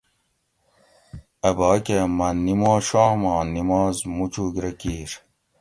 اۤباکہ مہ نیموشوم آں نماز مُچُوگ رہ کِیر